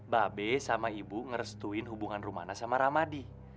baabe sama ibu ngerestuin hubungan rumana sama ramadi